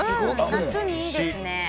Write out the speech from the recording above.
夏にいいですね。